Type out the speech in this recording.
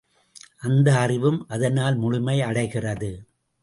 அந்த அறிவும் அதனால் முழுமை அடைகிறது.